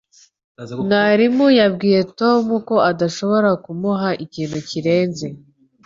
Umwarimu yabwiye Tom ko adashobora kumuha ikintu kirenze